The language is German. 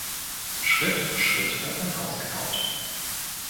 Schritt für Schritt wird ein Haus gebaut.